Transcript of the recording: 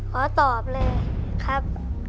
ขอตอบเลยครับ